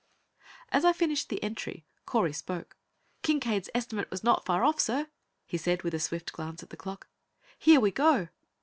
As I finished the entry, Correy spoke: "Kincaide's estimate was not far off, sir," he said, with a swift glance at the clock. "Here we go!"